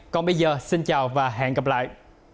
còn bây giờ xin chào và hẹn gặp lại